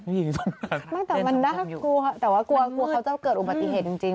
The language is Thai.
มันน่ากลัวเกลือเขาจะเกิดอุปติเหตุจริง